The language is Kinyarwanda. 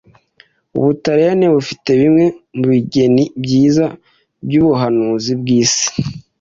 Ubutaliyani bufite bimwe mubigeni byiza byubuhanzi kwisi.